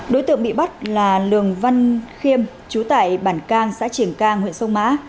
đối tượng bị bắt là lường văn khiêm chú tải bản cang xã triềng cang huyện sông mã